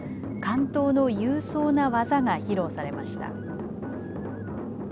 竿燈の勇壮な技が披露されました。